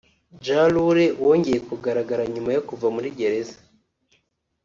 Ja Rule wongeye kugaragara nyuma yo kuva muri gereza